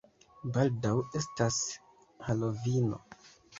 Baldaŭ estas Halovino.